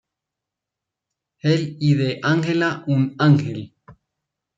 Hell y de Angela, un ángel.